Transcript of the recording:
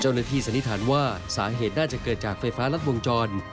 เจ้าหน้าที่สันนิษฐานว่าสาเหตุน่าจะเกิดจากไฟฟ้ารัดวงจร